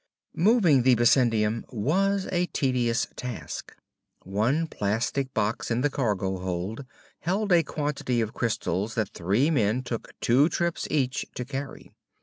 Moving the bessendium was a tedious task. One plastic box in the cargo hold held a quantity of crystals that three men took two trips each to carry.